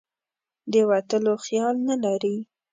د وتلو خیال نه لري.